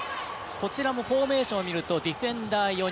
こちらもフォーメーションを見るとディフェンダーが４人。